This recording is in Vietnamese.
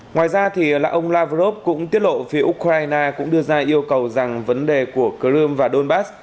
ngoài ra ông lavrov cũng tiết lộ phía ukraine cũng đưa ra yêu cầu rằng vấn đề của crimea và donbass